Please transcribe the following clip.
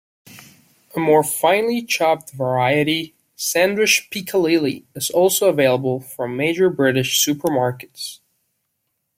A more finely chopped variety "sandwich piccalilli" is also available from major British supermarkets.